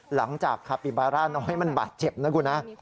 หลังจากคาปิบาร่าน้อยมันบาดเจ็บนะคุณนะ